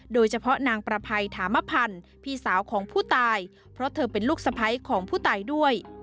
โดยเฉพาะนางประภัยถามพันธ์พี่สาวของผู้ตายเพราะเธอเป็นลูกสะพ้ายของผู้ตายด้วย